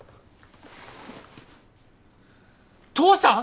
父さん？